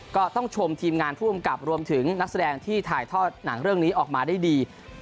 ก็ต้องชมทีมงานผู้กำกับรวมถึงนักแสดงที่ถ่ายทอดหนังเรื่องนี้ออกมาได้ดี